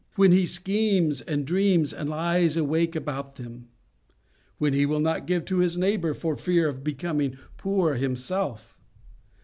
When he schemes and dreams and lies awake about them. When he will not give to his neighbour for fear of becoming poor himself.